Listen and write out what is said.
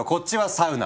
サウナ！